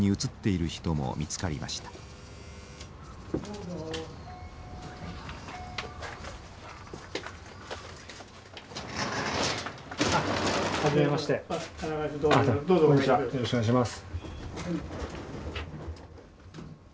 よろしくお願いします。